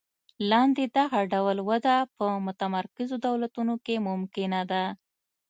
لاندې دغه ډول وده په متمرکزو دولتونو کې ممکنه ده.